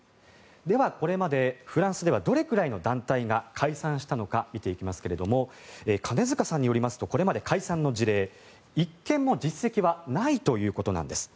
では、これまでフランスではどれくらいの団体が解散したのか見ていきますが金塚さんによりますとこれまで、解散の事例１件も実績はないということなんです。